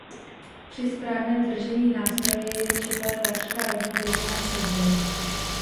Při správném držení nástroje je čepel takřka rovnoběžná se zemí.